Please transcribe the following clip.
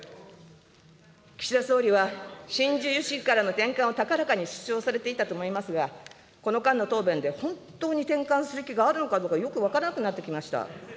岸田総理は、新自由主義からの転換を高々に主張されていたと思いますが、この間の答弁で本当に転換する気があるのかどうかよく分からなくなってきました。